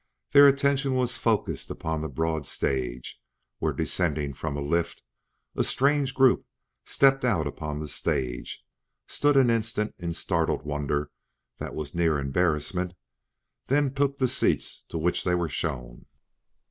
Their attention was focused upon the broad stage, where, descending from a lift, a strange group stepped out upon the stage, stood an instant in startled wonder that was near embarrassment, then took the seats to which they were shown.